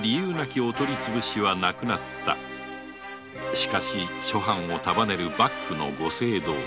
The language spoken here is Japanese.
しかし諸藩を束ねる幕府のご政道。